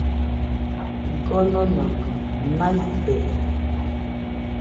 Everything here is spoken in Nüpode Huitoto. Kononogɨ naɨte.